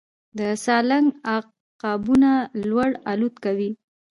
د سالنګ عقابونه لوړ الوت کوي